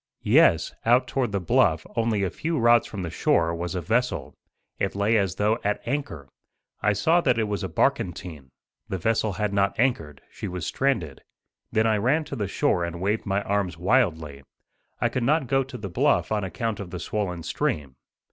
Yes, out toward the bluff, only a few rods from the shore, was a vessel. It lay as though at anchor. I saw that it was a barkentine. The vessel had not anchored; she was stranded. Then I ran to the shore and waved my arms wildly. I could not go to the bluff on account of the swollen stream.